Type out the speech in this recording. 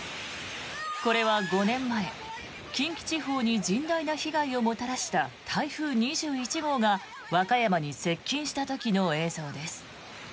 これは５年前、近畿地方に甚大な被害をもたらした台風２１号が和歌山に接近した時の映像です。